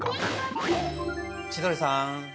千鳥さん